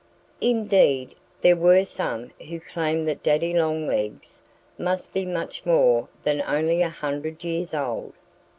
Indeed, there were some who claimed that Daddy Longlegs must be much more than only a hundred years old.